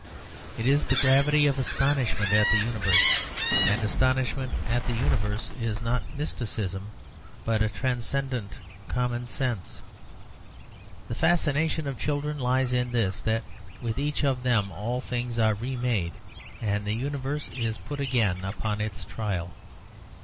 It is the gravity of astonishment at the universe, and astonishment at the universe is not mysticism, but a transcendent common sense. The fascination of children lies in this: that with each of them all things are remade, and the universe is put again upon its trial.